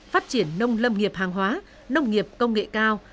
phát triển nông lâm nghiệp hàng hóa nông nghiệp công nghệ cao